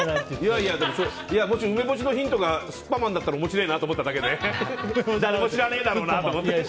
梅干しのヒントがスッパイマンだったら面白いなと思ったけど誰も知らねえだろうなと思って。